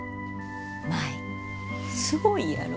舞すごいやろ？